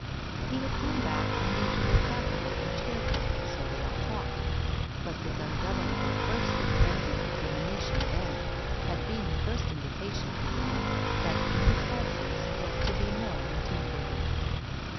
He had come back unusually placable and cheerful, so they all thought, but his ungovernable burst of frenzied recrimination then had been the first indication to them all that Amy's absence was to be more than temporary.